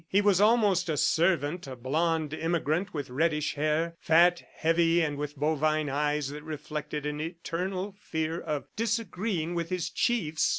He was almost a servant, a blond immigrant with reddish hair, fat, heavy, and with bovine eyes that reflected an eternal fear of disagreeing with his chiefs.